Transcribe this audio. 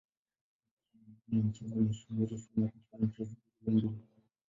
Mpira wa miguu ni mchezo mashuhuri sana katika nchi hizo mbili.